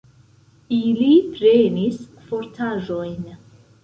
Ili prenis frotaĵojn.